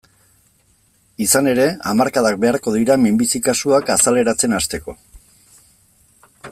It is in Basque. Izan ere, hamarkadak beharko dira minbizi kasuak azaleratzen hasteko.